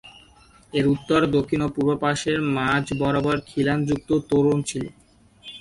এর উত্তর, দক্ষিণ ও পূর্বে পার্শ্বের মাঝ বরাবর খিলানযুক্ত তোরণ ছিলো।